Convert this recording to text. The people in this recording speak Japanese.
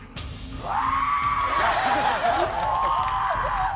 うわ！